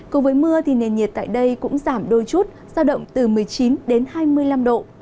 cùng với mưa thì nền nhiệt tại đây cũng giảm đôi chút giao động từ một mươi chín đến hai mươi năm độ